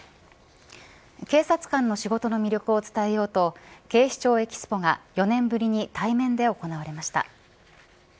警察官の仕事の魅力を伝えようと警視庁ＥＸＰＯが４年ぶりに対面で行われました。